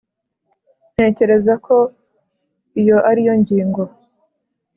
ntekereza ko iyo ari yo ngingo.